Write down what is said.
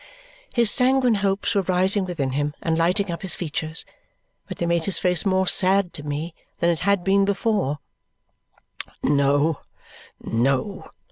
His sanguine hopes were rising within him and lighting up his features, but they made his face more sad to me than it had been before. "No, no!"